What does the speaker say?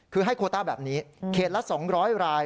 คือให้โคต้าแบบนี้เขตละ๒๐๐ราย